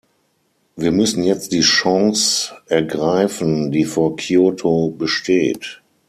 Wir müssen jetzt die Chance ergreifen, die vor Kyoto besteht.